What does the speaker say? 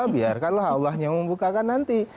biarkanlah allah yang membukakan nanti